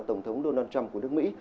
tổng thống donald trump của nước mỹ